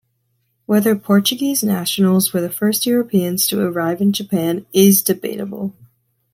Whether Portuguese nationals were the first Europeans to arrive in Japan is debatable.